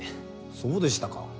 そうでしたか。